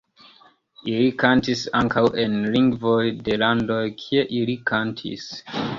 Ili kantis ankaŭ en lingvoj de landoj, kie ili kantis.